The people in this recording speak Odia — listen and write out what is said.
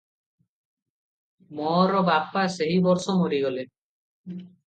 ମୋର ବାପା ସେହିବର୍ଷ ମରିଗଲେ ।